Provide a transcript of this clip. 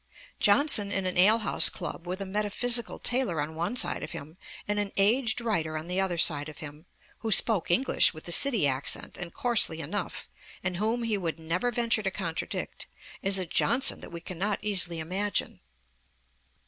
Johnson in an alehouse club, with a metaphysical tailor on one side of him, and an aged writer on the other side of him, 'who spoke English with the city accent and coarsely enough,' and whom he would never venture to contradict, is a Johnson that we cannot easily imagine.